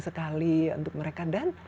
sekali untuk mereka dan